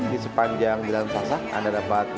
di sepanjang jalan sasak anda dapat